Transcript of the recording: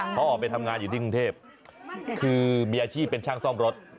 เขาออกไปทำงานอยู่ที่กรุงเทพคือมีอาชีพเป็นช่างซ่อมรถ